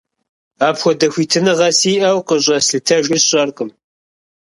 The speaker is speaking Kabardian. Апхуэдэ хуитыныгъэ сиӀэу къыщӀэслъытэжыр сщӀэркъым.